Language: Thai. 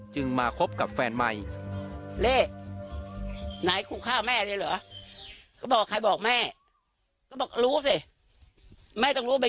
มาคบกับแฟนใหม่